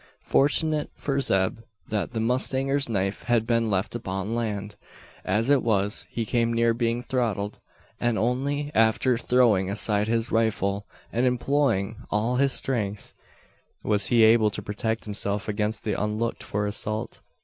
Fortunate for Zeb, that the mustanger's knife had been left upon land. As it was, he came near being throttled; and only after throwing aside his rifle, and employing all his strength, was he able to protect himself against the unlooked for assault.